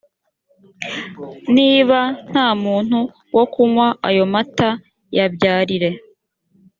niba nta muntu wo kunywa ayo mata yabyarire